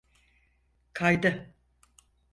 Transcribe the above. Kaydı.